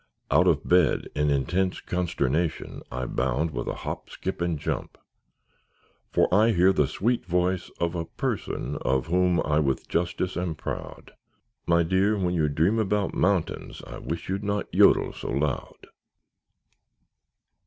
Out of bed, in intense consternation, I bound with a hop, skip, and jump. For I hear the sweet voice of a "person" Of whom I with justice am proud, "_My dear, when you dream about mountains, I wish you'd not jodel so loud!